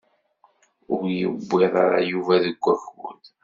Ur yewwiḍ ara Yuba deg wakud.